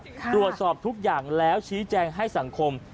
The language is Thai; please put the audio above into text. ตรวจสอบทุกอย่างแล้วชี้แจงให้สังคม